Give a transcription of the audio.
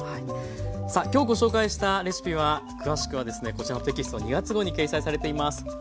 さあ今日ご紹介したレシピは詳しくはですねこちらのテキスト２月号に掲載されています。